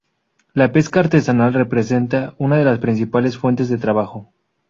La pesca artesanal representa una de las principales fuentes de trabajo.